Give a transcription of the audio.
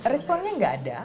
responnya gak ada